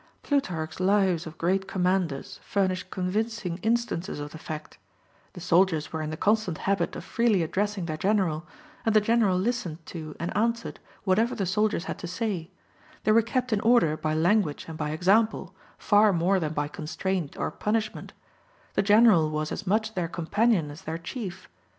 Plutarch's lives of great commanders furnish convincing instances of the fact: the soldiers were in the constant habit of freely addressing their general, and the general listened to and answered whatever the soldiers had to say: they were kept in order by language and by example, far more than by constraint or punishment; the general was as much their companion as their chief.